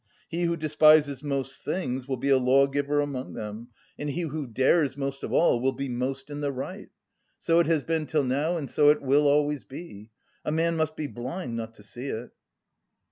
He who despises most things will be a lawgiver among them and he who dares most of all will be most in the right! So it has been till now and so it will always be. A man must be blind not to see it!"